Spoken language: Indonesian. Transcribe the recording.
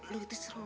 lu itu seru